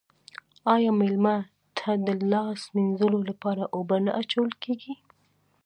آیا میلمه ته د لاس مینځلو لپاره اوبه نه اچول کیږي؟